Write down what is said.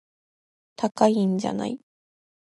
高いんじゃない